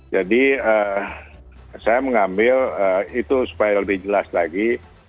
jadi saya mengambil itu supaya lebih jelas lagi